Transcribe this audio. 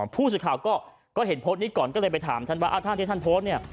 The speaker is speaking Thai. ผู้สื่อข่าวก็เห็นโพสต์นี้ก่อนก็เลยไปถามท่านว่าท่านที่ท่านโพสต์เนี่ย